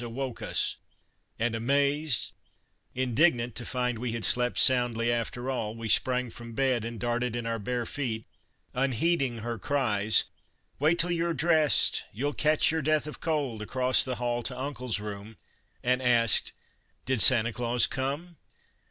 " awoke us, and amazed, indignant, to find we had slept soundly after all, we sprang from bed and darted in our bare feet, unheeding her cries, " Wait till you 're dressed, you '11 catch your death of cold," across the hall to Uncle's room and asked, " Did Sancta Claus come